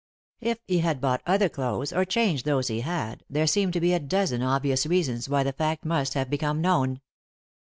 If he had bought other clothes, or changed those he had, there seemed to be a dozen obvious reasons why the fact must have become known.